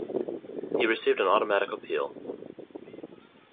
He received an automatic appeal.